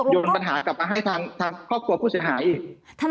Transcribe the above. มีปัญหากลับมาให้ทางครอบครัวผู้เสียหายอีก